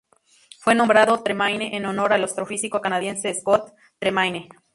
Fue nombrado Tremaine en honor al astrofísico canadiense Scott D. Tremaine.